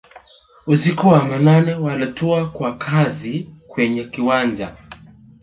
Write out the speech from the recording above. usiku wa manane Walitua kwa kasi kwenye kiwanja